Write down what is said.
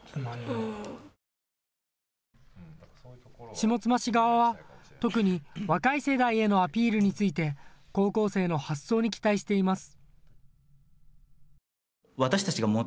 下妻市側は特に若い世代へのアピールについて高校生の発想に期待しています。